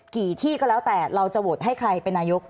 กี่ที่ก็แล้วแต่เราจะโหวตให้ใครเป็นนายก